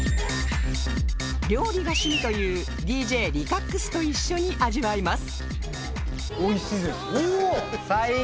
料理が趣味という ＤＪＬｉｃａｘｘｘ と一緒に味わいます